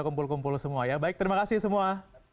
kumpul kumpul semua ya baik terima kasih semua